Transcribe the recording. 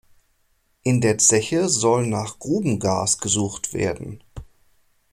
In der Zeche soll nach Grubengas gesucht werden.